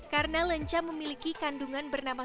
karena lenca memiliki kandungan bernama